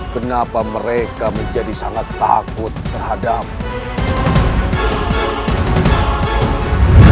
kenapa mereka menjadi sangat takut terhadap